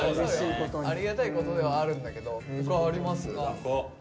ありがたいことではあるんだけど他あります？